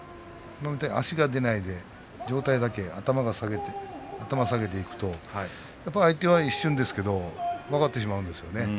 足が出ないで上体だけ頭を下げていくとやっぱり相手は一瞬ですけど分かってしまうんですよね。